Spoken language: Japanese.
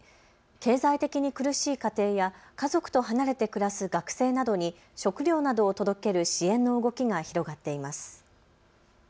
経済的に苦しい家庭や家族と離れて暮らす学生などに食料などを届ける支援の動きが広がっています。